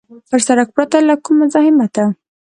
پر سړک پرته له کوم مزاحمته.